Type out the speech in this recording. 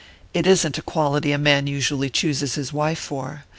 It isn't a quality a man usually chooses his wife for.